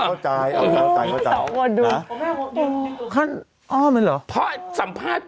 เข้าใจเอาไว้เอาไว้เข้าใจอ๋ออ๋อไม่รู้ทำแบบนั้นรึเพราะสัมภาษณ์